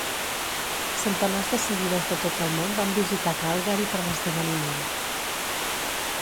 Centenars de seguidors de tot el món van visitar Calgary per l'esdeveniment.